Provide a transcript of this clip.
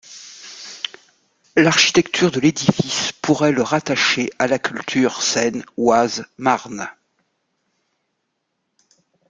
L'architecture de l'édifice pourrait le rattacher à la culture Seine-Oise-Marne.